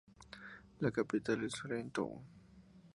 La capital es Freetown.